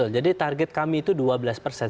jadi target kami itu dua belas persen